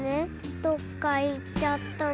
どっか行っちゃったの。